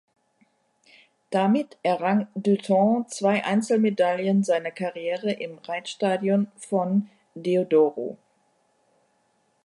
Damit errang Dutton zwei Einzelmedaillen seiner Karriere im Reitstadion von Deodoro.